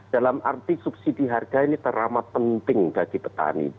dalam arti subsidi harga ini teramat penting bagi petani